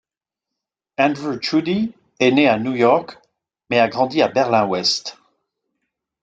Andrew Chuddy est né à New York mais a grandi à Berlin-Ouest.